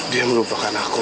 dia merupakan aku